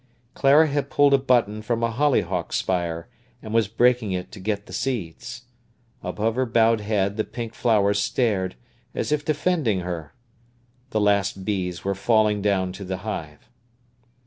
Clara had pulled a button from a hollyhock spire, and was breaking it to get the seeds. Above her bowed head the pink flowers stared, as if defending her. The last bees were falling down to the hive.